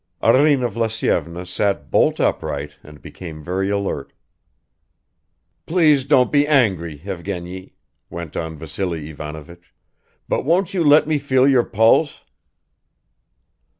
Arina Vlasyevna sat bolt upright and became very alert. "Please don't be angry, Evgeny," went on Vassily Ivanovich, "but won't you let me feel your pulse?"